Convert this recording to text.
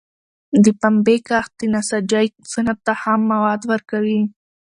د پنبي کښت د نساجۍ صنعت ته خام مواد ورکوي.